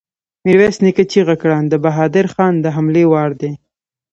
ميرويس نيکه چيغه کړه! د بهادر خان د حملې وار دی!